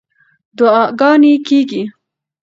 دعاګانې کېږي.